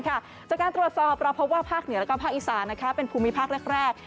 จากการตรวจสอบเราพบว่าภาคเหนือและภาคอีสานเป็นภูมิภาคแรก